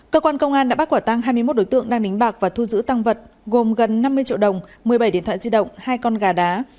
cơ quan công an đã bắt quả tăng hai mươi một đối tượng đang đánh bạc và thu giữ tăng vật gồm gần năm mươi triệu đồng một mươi bảy điện thoại di động hai con gà đá